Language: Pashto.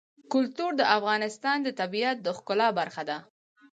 کلتور د افغانستان د طبیعت د ښکلا برخه ده.